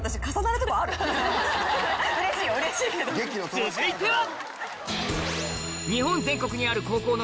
続いては！